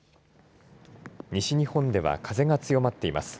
西日本では風が強まっています。